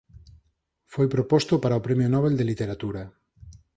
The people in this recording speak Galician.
Foi proposto para o Premio Nobel de Literatura.